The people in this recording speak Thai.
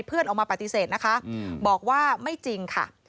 ออกมาปฏิเสธนะคะบอกว่าไม่จริงค่ะ